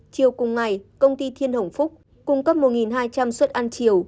chiều cùng ngày công ty thiên hồng phúc cung cấp một hai trăm linh suất ăn chiều